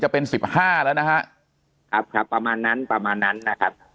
เป็นสิบห้าแล้วนะฮะครับครับประมาณนั้นประมาณนั้นนะครับ